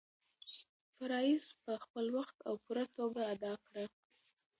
فرایض په خپل وخت او پوره توګه ادا کړه.